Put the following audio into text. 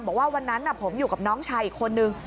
บอกว่าวันนั้นผมอยู่กับน้องชายอีกคนนึง